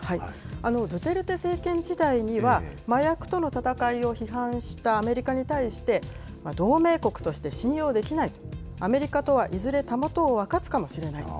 ドゥテルテ政権時代には、麻薬との戦いを批判したアメリカに対して、同盟国として信用できない、アメリカとはいずれたもとを分かつかもしれない。